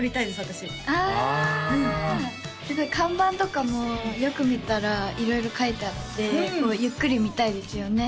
私ああけど看板とかもよく見たら色々書いてあってこうゆっくり見たいですよね